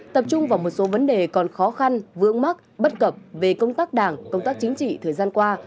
tập trung vào một số vấn đề còn khó khăn vướng mắc bất cập về công tác đảng công tác chính trị thời gian qua